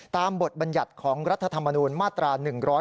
บทบัญญัติของรัฐธรรมนูญมาตรา๑๔